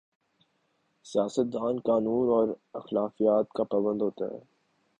سیاست دان قانون اور اخلاقیات کا پابند ہو تا ہے۔